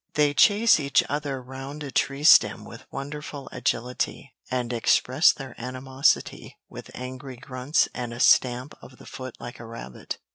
They chase each other round a tree stem with wonderful agility, and express their animosity with angry grunts and a stamp of the foot like a rabbit.